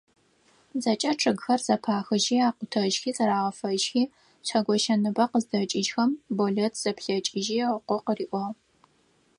ЗэкӀэ чъыгхэр зэпахыжьхи, акъутэжьхи, зэрагъэфэжьхи, Шъхьэгощэ ныбэ къыздэкӀыжьхэм, Болэт зэплъэкӀыжьи ыкъо къыриӀуагъ.